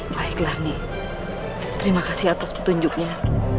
baiklah nih terima kasih atas petunjuknya